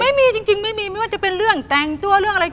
ไม่มีจริงไม่มีไม่ว่าจะเป็นเรื่องแต่งตัวเรื่องอะไร